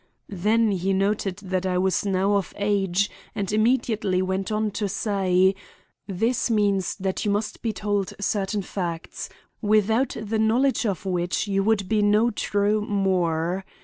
Then he noted that I was now of age and immediately went on to say: 'This means that you must be told certain facts, without the knowledge of which you would be no true Moore.